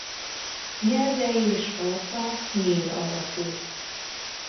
Nyelve és farka nyíl alakú.